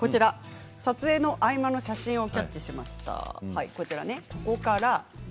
撮影の合間の写真をキャッチしました。